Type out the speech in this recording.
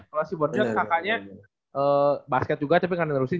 kalau si bonvi kakaknya basket juga tapi gak nerusin